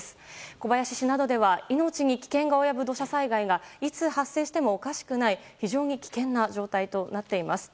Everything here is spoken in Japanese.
小林市などでは命に危険が及ぶ土砂災害がいつ発生してもおかしくない非常に危険な状態になっています。